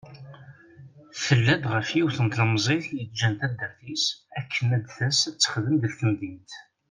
Tella-d ɣef yiwen n tlemzit yeǧǧan taddart-is akken ad d-tas ad texdem deg temdint.